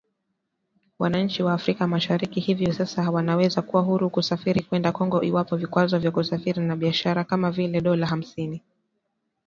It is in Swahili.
Wananchi wa Afrika Mashariki hivi sasa wanaweza kuwa huru kusafiri kwenda Kongo iwapo vikwazo vya kusafiri na biashara kama vile dola hamsini